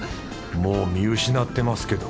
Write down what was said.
もう見失ってますけど